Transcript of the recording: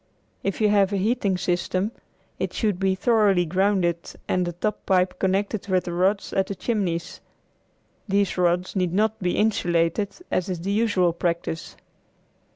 If you have a heating system it should be thoroughly grounded and the top pipe connected with the rods at the chimneys. These rods need not be insulated as is the usual practice.